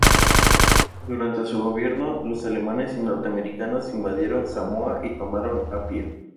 Durante su gobierno, los alemanes y norteamericanos invadieron Samoa y tomaron Apia.